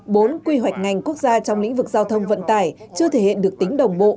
bốn quy hoạch ngành quốc gia trong lĩnh vực giao thông vận tải chưa thể hiện được tính đồng bộ